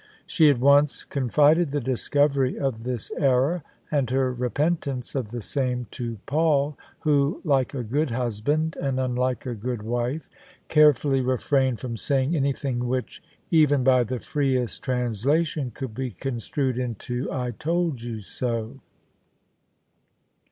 She at once con fided the discovery of this error, and her repentance of the same, to Paul, who, like a good husband (and unlike a good wife), carefully refrained from saying anything which, even by the freest translation, could be construed into " I told you so."